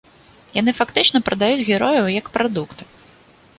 Яны фактычна прадаюць герояў як прадукты.